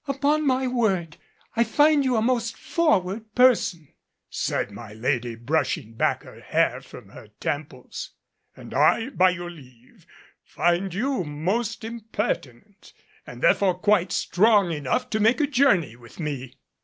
"Upon my word, I find you a most forward person," said my lady, brushing back her hair from her temples. "And I, by your leave, find you most impertinent, and therefore quite strong enough to make a journey with me."